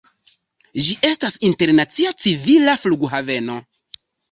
Ĝi estas internacia civila flughaveno.